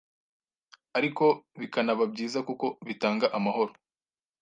ariko bikanaba byiza kuko bitanga amahoro